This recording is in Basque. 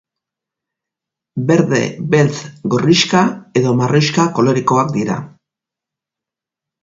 Berde, beltz, gorrixka edo marroixka kolorekoak dira.